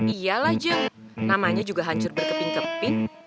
iyalah jeng namanya juga hancur berkeping keping